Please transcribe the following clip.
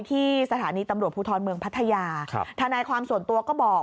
ที่สถานีตำรวจภูทรเมืองพัทยาทนายความส่วนตัวก็บอก